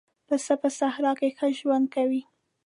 پسه په صحرا کې ښه ژوند کوي.